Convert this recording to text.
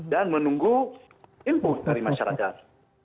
dan menunggu input dari masyarakat